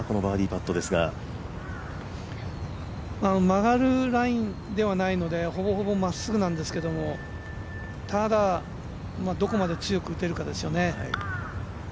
曲がるラインではないのでほぼほぼ、まっすぐなんですけどただ、どこまで強く打てるかですよね。